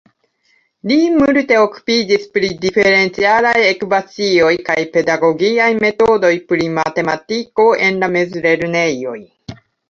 Li multe okupiĝis pri diferencialaj ekvacioj kaj pedagogiaj metodoj pri matematiko en la mezlernejoj.